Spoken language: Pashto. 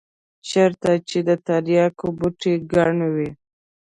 چېرته چې د ترياکو بوټي گڼ وي.